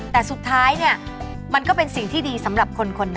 แต่สุดท้ายเนี่ยมันก็เป็นสิ่งที่ดีสำหรับคนคนนั้น